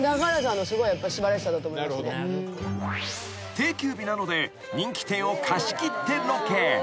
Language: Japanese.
［定休日なので人気店を貸し切ってロケ］